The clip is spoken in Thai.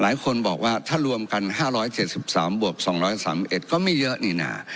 หลายคนบอกว่าถ้ารวมกัน๕๗๓บวก๒๓๑ก็ไม่เยอะนี่นะ